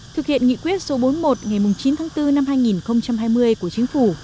thực hiện nghị quyết số bốn mươi một ngày chín tháng bốn năm hai nghìn hai mươi của chính phủ